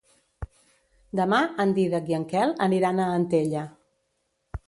Demà en Dídac i en Quel aniran a Antella.